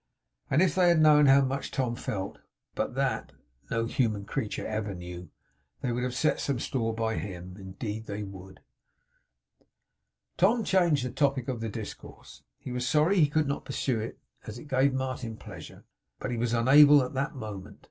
And if they had known how much Tom felt but that no human creature ever knew they would have set some store by him. Indeed they would. Tom changed the topic of discourse. He was sorry he could not pursue it, as it gave Martin pleasure; but he was unable, at that moment.